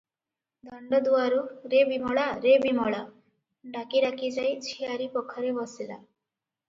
ଦାଣ୍ଡ ଦୁଆରୁ "ରେ ବିମଳା! ରେ ବିମଳା!" ଡାକି ଡାକି ଯାଇ ଝିଆରୀ ପଖରେ ବସିଲା ।